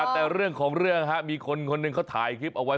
แต่เรื่องของเรื่องมีคนหนึ่งเขาถ่ายคลิปเอาไว้